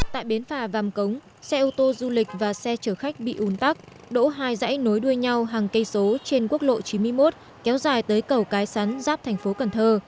tại bến phà vàm cống xe ô tô du lịch và xe chở khách bị ùn tắc đỗ hai dãy nối đuôi nhau hàng cây số trên quốc lộ chín mươi một kéo dài tới cầu cái sắn giáp thành phố cần thơ